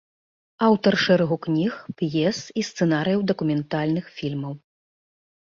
Аўтар шэрагу кніг, п'ес і сцэнарыяў дакументальных фільмаў.